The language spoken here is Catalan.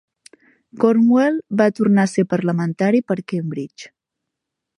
Cromwell va tornar a ser parlamentari per Cambridge.